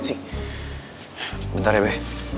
sebentar ya be